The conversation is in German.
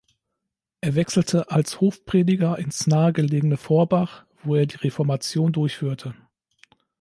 Er wechselte als Hofprediger ins nahegelegene Forbach, wo er die Reformation durchführte.